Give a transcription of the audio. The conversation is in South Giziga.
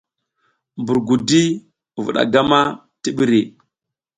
Mbur gudi vuɗa gam a ti ɓiri .